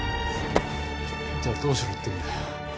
じゃどうしろっていうんだよ？